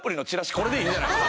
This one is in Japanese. これでいいんじゃない？